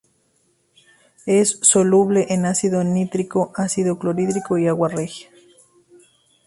Es soluble en ácido nítrico, ácido clorhídrico y agua regia.